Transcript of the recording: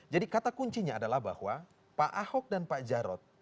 jadi kata kuncinya adalah bahwa pak hock dan pak jarod